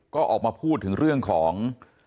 ก็ออกมาพูดถึงเรื่องของ